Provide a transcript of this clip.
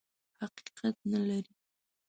حقیقت نه لري.